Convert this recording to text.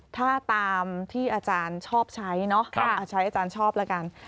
ถ้าตามที่อาจารย์ชอบใช้เนาะใช้อาจารย์ชอบแล้วกัน